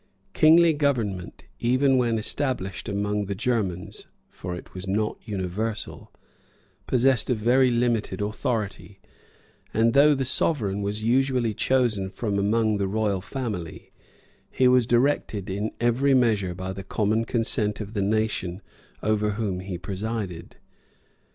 Kingly government, even when established among the Germans, (for it was not universal,) possessed a very limited authority; and though the sovereign was usually chosen from among the royal family, he was directed in every measure by the common consent of the nation over whom he presided.